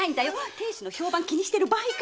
亭主の評判気にしてる場合かよ。